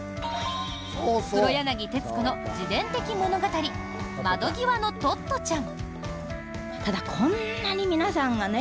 黒柳徹子の自伝的物語「窓ぎわのトットちゃん」。